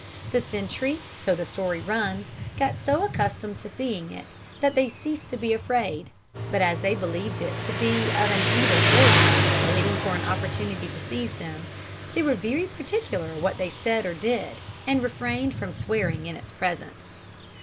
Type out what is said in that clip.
The sentry, so the story runs, got so accustomed to seeing it, that they ceased to be afraid; but, as they believed it to be of evil origin, waiting for an opportunity to seize them, they were very particular what they said or did, and refrained from swearing in its presence.